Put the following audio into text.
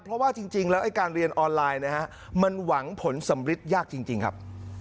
เพราะว่าจริงแล้วไอ้การเรียนออนไลน์นะฮะมันหวังผลสำริดยากจริงครับ